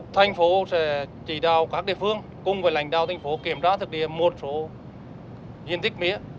thành phố sẽ chỉ đào các địa phương cùng với lãnh đạo thành phố kiểm tra thực địa một số diện tích mía